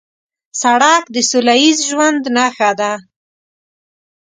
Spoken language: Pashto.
سړک د سولهییز ژوند نښه ده.